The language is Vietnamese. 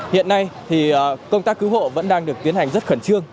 hiện nay thì công tác cứu hộ vẫn đang được tiến hành rất khẩn trương